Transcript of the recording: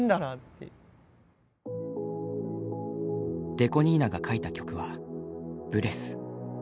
ＤＥＣＯ２７が書いた曲は「ブレス」。